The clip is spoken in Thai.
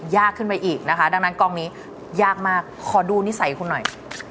ยากขึ้นไปอีกนะคะดังนั้นกองนี้ยากมากขอดูนิสัยคุณหน่อย